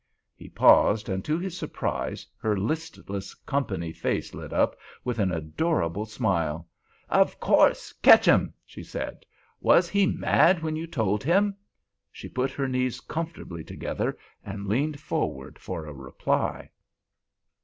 He paused, and to his surprise her listless "company" face lit up with an adorable smile. "Of course!—ketch him!" she said. "Was he mad when you told him?" She put her knees comfortably together and leaned forward for a reply.